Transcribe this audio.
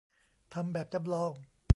ทำแบบจำลอง